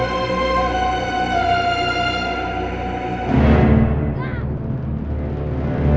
menjadi hal terbanu